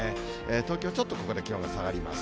東京ちょっとここで気温が下がります。